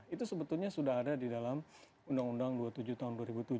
itu sebetulnya sudah ada di dalam undang undang dua puluh tujuh tahun dua ribu tujuh